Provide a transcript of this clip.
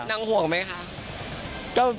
นั่งห่วงไหมคะ